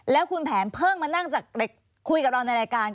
แล้วคุณแผนเพิ่งมานั่งจากคุยกับเราในรายการ